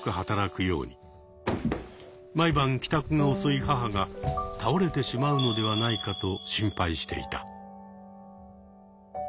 毎晩帰宅が遅い母が倒れてしまうのではないかと心配していた。